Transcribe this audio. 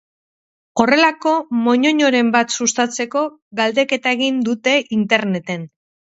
Horrelako moñoñoren bat sustatzeko galdeketa egin dute Interneten.